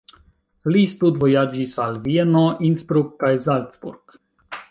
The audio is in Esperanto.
Li studvojaĝis al Vieno, Innsbruck kaj Salzburg.